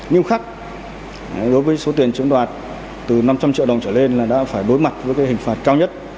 nhưng khắc đối với số tiền chiếm đoạt từ năm trăm linh triệu đồng trở lên là đã phải đối mặt với cái hình phạt cao nhất